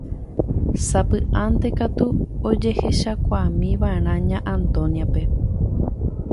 Sapy'ánte katu ojehechaukámiva'erã Ña Antonia-pe.